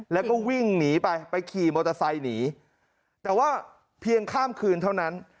แล้วก็วิ่งหนีไปไปขี่มอเตอร์ไซค์หนีแต่ว่าเพียงข้ามคืนเท่านั้น